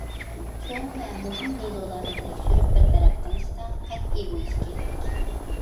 چوڭ ۋە مۇھىم دېلولارنى تەكشۈرۈپ بىر تەرەپ قىلىشتا قەتئىي بولۇش كېرەك.